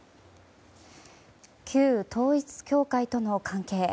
旧統一教会との関係。